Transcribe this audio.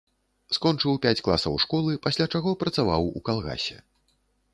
Скончыў пяць класаў школы, пасля чаго працаваў у калгасе.